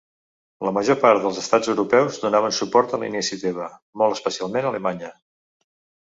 La major part dels estats europeus donaven suport a la iniciativa, molt especialment Alemanya.